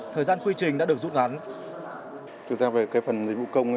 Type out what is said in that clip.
thời gian quy trình đã được rút ngắn